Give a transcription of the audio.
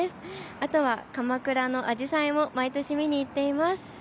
あとは鎌倉のあじさいも毎年、見に行っています。